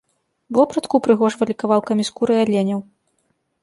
Вопратку упрыгожвалі кавалкамі скуры аленяў.